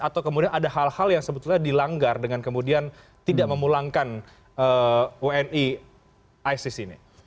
atau kemudian ada hal hal yang sebetulnya dilanggar dengan kemudian tidak memulangkan wni isis ini